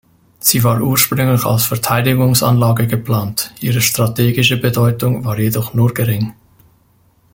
Sie war ursprünglich als Verteidigungsanlage geplant, ihre strategische Bedeutung war jedoch nur gering.